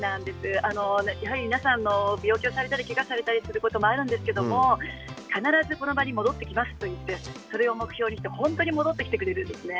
皆さんやはり病気をされたりけがをされたりすることもあるんですけども必ずこの場に戻ってきますと言って、それを目標にして本当に戻ってくれるんですよね。